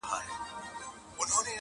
و مسکين ته د کلا د سپو سلا يوه ده.